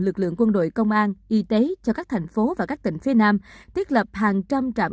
lực lượng quân đội công an y tế cho các thành phố và các tỉnh phía nam thiết lập hàng trăm trạm